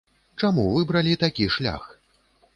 Чаму выбралі такі шлях?